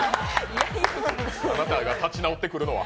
あなたが立ち直ってくるのは。